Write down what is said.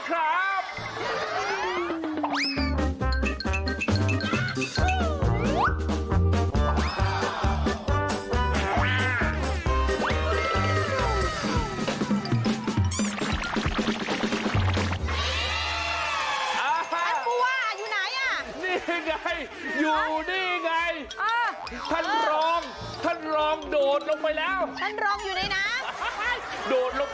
ท่านรองท่านรองคือว่าไปไหนครับ